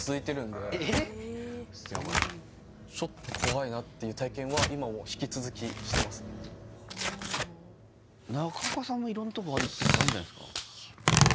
・ヤバいじゃんちょっと怖いなっていう体験は今も引き続きしてますね中岡さんも色んなとこ行ってるからあるんじゃないっすか？